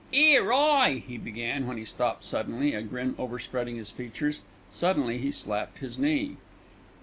"'Ere! Hi!" he began, when he stopped suddenly, a grin overspreading his features. Suddenly he slapped his knee.